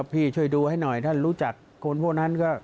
พี่ช่วยดูให้หน่อยถ้ารู้จักคนพวกนั้นก็